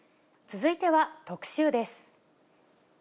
続いては特集です。